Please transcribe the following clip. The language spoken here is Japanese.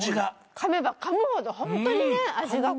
かめばかむほどホントにね味が濃い。